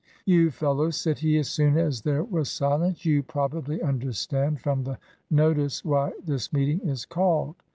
"You fellows," said he, as soon as there was silence, "you probably understand from the notice why this meeting is called.